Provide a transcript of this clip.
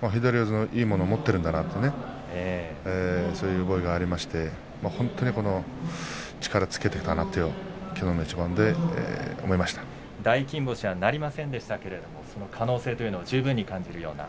左四つのいいものを持っているんだなとそういう思いがありまして本当に力をつけてきたなと大金星はなりませんでしたけれども、その可能性は十分に感じるような。